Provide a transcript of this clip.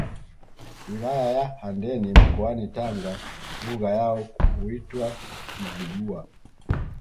Wilaya ya Handeni mkoani Tanga Lugha yao huitwa Kizigua